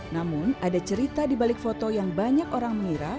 namun ada cerita di balik foto yang banyak orang mengira